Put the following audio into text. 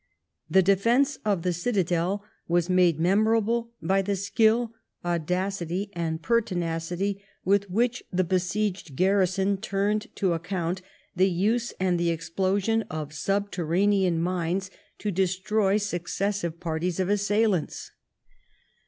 The defence of the citadel was made memorable by the skiU, audacity, and pertinacity with which the besieged garrison turned to account the use and the explosion of subterranean mines to destroy successive parties of assailants.